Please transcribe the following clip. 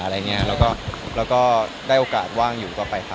และได้โอกาสว่างอยู่ก่อนไปทำ